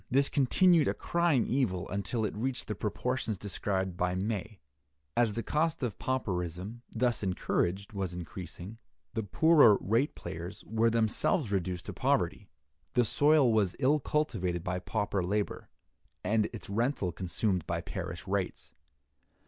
This continued a crying evil until it reached the proportions described by May: "As the cost of pauperism, thus encouraged, was increasing, the poorer rate payers were themselves reduced to poverty. The soil was ill cultivated by pauper labor, and its rental consumed by parish rates.